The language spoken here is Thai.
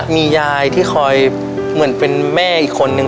มียายที่คอยเหมือนเป็นแม่อีกคนนึง